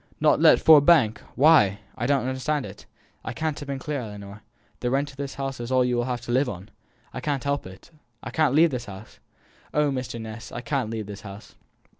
"Not let Ford Bank! Why? I don't understand it I can't have been clear Ellinor, the rent of this house is all you will have to live on!" "I can't help it, I can't leave this house. Oh, Mr. Ness, I can't leave this house."